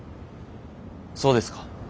そうですか。